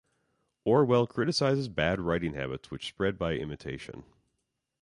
Orwell criticises bad writing habits which spread by imitation.